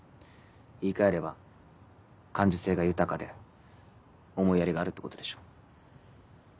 言い換えれば感受性が豊かで思いやりがあるってことでしょ。